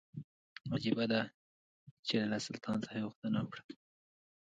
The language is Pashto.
عجیبه دا چې له سلطان څخه یې غوښتنه وکړه.